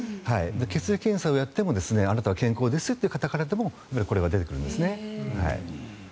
血液検査をやってもあなたは健康ですという方からでもこれは出てくるんですね。